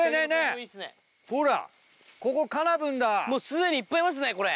すでにいっぱいいますねこれ！